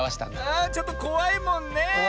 あちょっとこわいもんねえ。